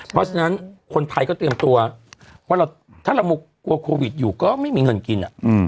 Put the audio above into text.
เพราะฉะนั้นคนไทยก็เตรียมตัวว่าถ้าเรากลัวโควิดอยู่ก็ไม่มีเงินกิน